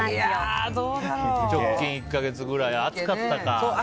直近１か月くらい暑かったか。